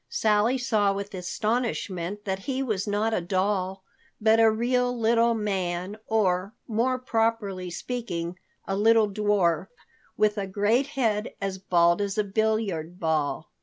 Sally saw with astonishment that he was not a doll, but a real little man, or, more properly speaking, a little dwarf, with a great head as bald as a billiard ball.